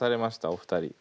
お二人。